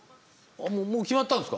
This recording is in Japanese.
もう決まったんですか？